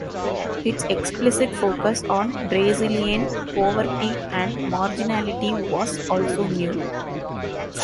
Its explicit focus on Brazilian poverty and marginality was also new.